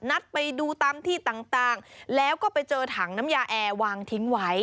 นัดไปดูตามที่ต่างแล้วก็ไปเจอถังน้ำยาแอร์วางทิ้งไว้